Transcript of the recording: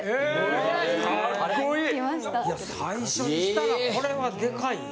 ・最初にしたらこれはデカいよ。